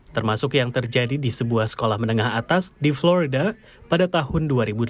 termasuk yang terjadi di sebuah sekolah menengah atas di florda pada tahun dua ribu delapan belas